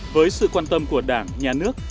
với sự quan tâm của đảng nhà nước